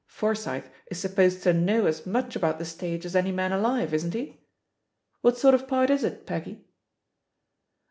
Forsyth is supposed to know as much about the stage as any man alive, isn't he? JVhat sort of part is it, Peggy?"